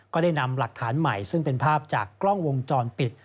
ก็ได้นำหลักฐานใหม่ซึ่งเป็นภาพจากกล้องวงจรปิด